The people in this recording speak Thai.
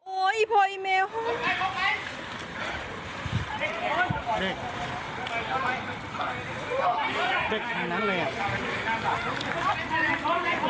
โอ้ยพออีเมฮ่า